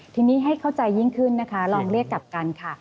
ทีนี้ให้เข้าใจยิ่งขึ้นนะคะลองเรียกกลับกันค่ะ